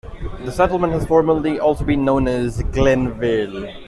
The settlement has formerly also been known as Glenville.